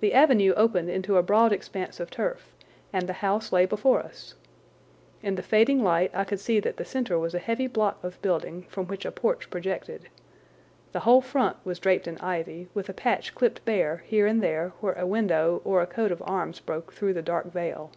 The avenue opened into a broad expanse of turf, and the house lay before us. In the fading light I could see that the centre was a heavy block of building from which a porch projected. The whole front was draped in ivy, with a patch clipped bare here and there where a window or a coat of arms broke through the dark veil.